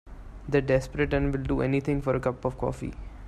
They're desperate and will do anything for a cup of coffee.